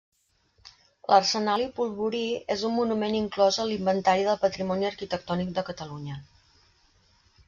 L'arsenal i polvorí és un monument inclòs en l'Inventari del Patrimoni Arquitectònic de Catalunya.